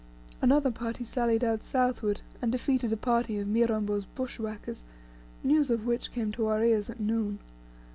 Another party sallied out southward, and defeated a party of Mirambo's "bush whackers," news of which came to our ears at noon.